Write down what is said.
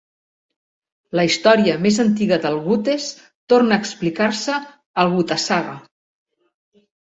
La història més antiga del gutes torna a explicar-se al "Gutasaga".